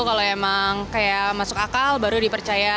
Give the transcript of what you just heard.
kalau emang kayak masuk akal baru dipercaya